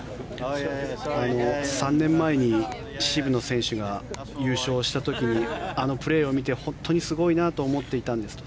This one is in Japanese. ３年前に渋野選手が優勝した時にあのプレーを見て本当にすごいなと思っていたんですと。